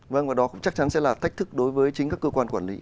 vâng và đó cũng chắc chắn sẽ là thách thức đối với chính các cơ quan quản lý